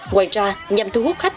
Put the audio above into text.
ngoài ra nhằm thu hút khách